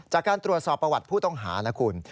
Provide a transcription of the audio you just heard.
จากการตรวจสอบประวัติผู้ต้องหานะคุณ